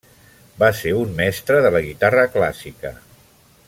Va ser un mestre de la guitarra clàssica.